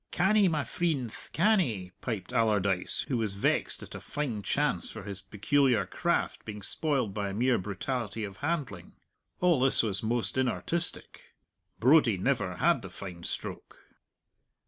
"Canny, my freendth, canny!" piped Allardyce, who was vexed at a fine chance for his peculiar craft being spoiled by mere brutality of handling. All this was most inartistic. Brodie never had the fine stroke.